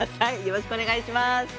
よろしくお願いします。